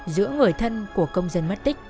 giữa người thân của công dân mất tích